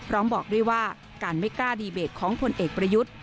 ร้องบอกด้วยว่าการไม่กล้าดีเบตของผลเอกประยุทธ์